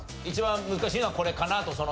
一番難しいのはこれかなと？